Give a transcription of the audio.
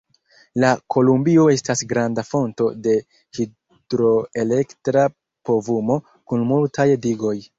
La Kolumbio estas granda fonto de hidroelektra povumo, kun multaj digoj.